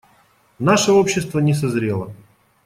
Наше общество не созрело.